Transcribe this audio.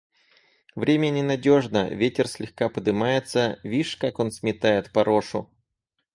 – Время ненадежно: ветер слегка подымается; вишь, как он сметает порошу.